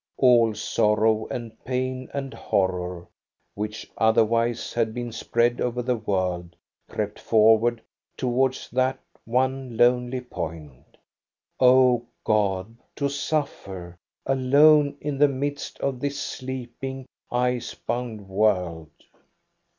All sorrow and pain and horror, which otherwise had been spread over the world, crept forward towards that one lonely point. O God, to suffer alone in the midst of this sleeping, ice bound world